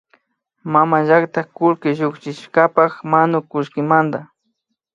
Mamallakta kullki llukshishkapak manukullkimanta